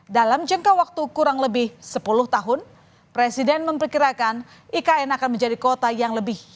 dalam jangka waktu kurang lebih sepuluh tahun presiden memperkirakan ikn akan menjadi kota yang lebih